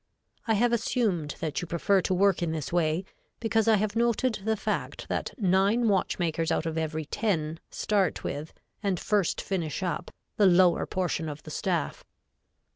I have assumed that you prefer to work in this way because I have noted the fact that nine watchmakers out of every ten start with, and first finish up, the lower portion of the staff.